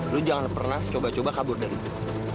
lu jangan pernah coba coba kabur dari itu